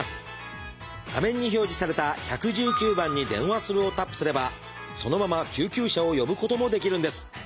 画面に表示された「１１９番に電話する」をタップすればそのまま救急車を呼ぶこともできるんです。